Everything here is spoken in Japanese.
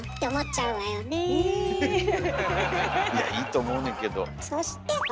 いやいいと思うねんけど。